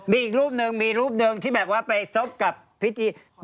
มีอีกรูปหนึ่งที่แบบว่าไปซ่อบกับพิธีกร